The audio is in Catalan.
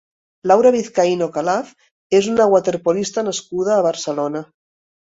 Laura Vizcaíno Calaf és una waterpolista nascuda a Barcelona.